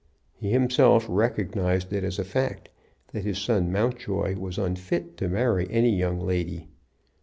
He himself recognized it as a fact that his son Mountjoy was unfit to marry any young lady.